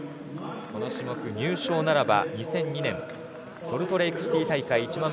この種目入賞ならば２００２年ソルトレークシティー大会１００００